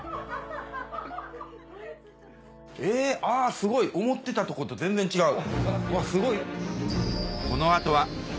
すごい！思ってたとこと全然違う。